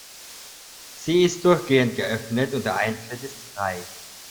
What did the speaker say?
Sie ist durchgehend geöffnet, und der Eintritt ist frei.